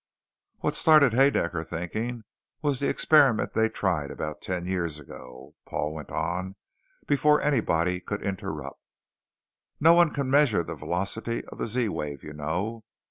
What started Haedaecker thinking was the experiment they tried about ten years ago." Paul went on before anybody could interrupt. "No one can measure the velocity of the Z wave, you know.